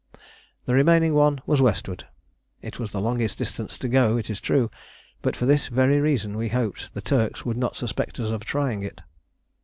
The remaining one was westward: it was the longest distance to go, it is true, but for this very reason we hoped the Turks would not suspect us of trying it.